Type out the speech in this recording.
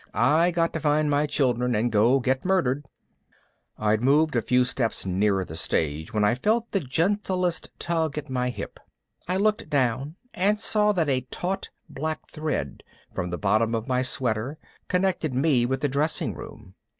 I got to find my children and go get murdered." I'd moved a few steps nearer the stage when I felt the gentlest tug at my hip. I looked down and saw that a taut black thread from the bottom of my sweater connected me with the dressing room.